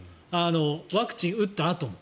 ワクチンを打ったあとも。